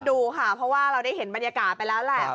ดูค่ะเพราะว่าเราได้เห็นบรรยากาศไปแล้วแหละ